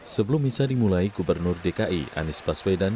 sebelum misa dimulai gubernur dki anies baswedan